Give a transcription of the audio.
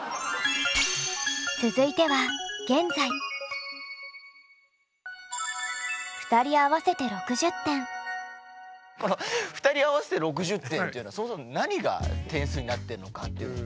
続いてはこの「２人合わせて６０点」っていうのはそもそも何が点数になってるのかっていうのと。